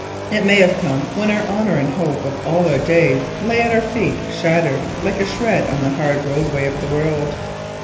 It may have come when our honour and the hope of all our days lay at our feet shattered like a sherd on the world's hard road.